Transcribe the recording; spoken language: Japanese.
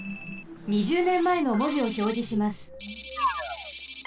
２０ねんまえのもじをひょうじします。